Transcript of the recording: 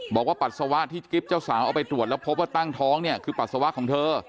ปัสสาวะที่กิ๊บเจ้าสาวเอาไปตรวจแล้วพบว่าตั้งท้องเนี่ยคือปัสสาวะของเธอ